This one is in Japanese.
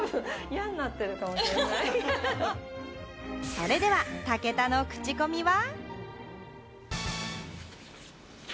それでは武田のクチコミは？